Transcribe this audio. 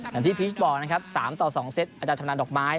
ที่พีชบอกนะครับ๓ต่อ๒เซตอาจารย์ชำนาญดอกไม้